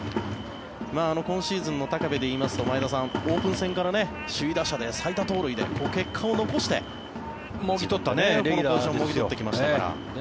今シーズンの高部でいいますと前田さん、オープン戦から首位打者で最多盗塁で結果を残して、レギュラーをもぎ取ってきましたから。